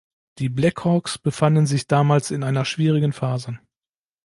Die Black Hawks befanden sich damals in einer schwierigen Phase.